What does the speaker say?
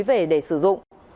về để sử dụng